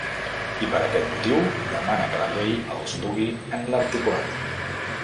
I per aquest motiu demana que la llei els dugui en l’articulat.